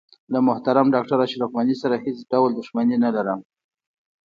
له محترم ډاکټر اشرف غني سره هیڅ ډول دښمني نه لرم.